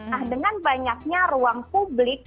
nah dengan banyaknya ruang publik